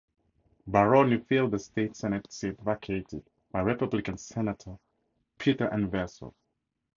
Baroni filled the State Senate seat vacated by Republican Senator Peter Inverso.